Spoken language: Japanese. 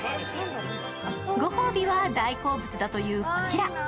ご褒美は大好物だというこちら。